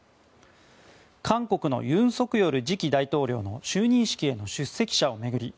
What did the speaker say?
韓国の尹錫悦次期大統領の就任式への出席者を巡り